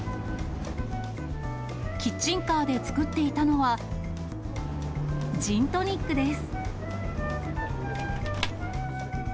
キッチンカーで作っていたのは、ジントニックです。